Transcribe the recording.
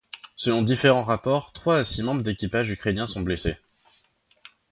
Selon différents rapports, trois à six membres d'équipage ukrainiens sont blessés.